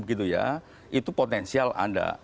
itu potensial ada